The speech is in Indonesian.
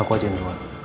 aku aja yang duluan